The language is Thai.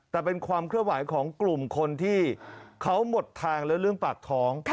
แต่เป็นความเคลื่อนไหวของกลุ่มคนที่เขาหมดทางแล้วเรื่องปากท้อง